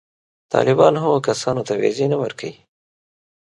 طالبان هغو کسانو ته وېزې نه ورکوي.